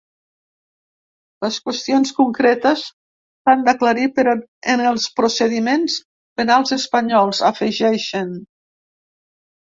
Les qüestions concretes s’han d’aclarir en els procediments penals espanyols, afegeixen.